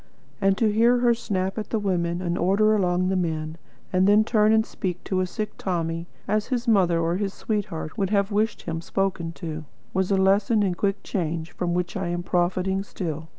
And to hear her snap at the women, and order along the men; and then turn and speak to a sick Tommy as his mother or his sweetheart would have wished to hear him spoken to, was a lesson in quick change from which I am profiting still.